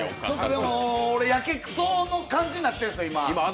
俺、やけくその感じになってるんですよ、今。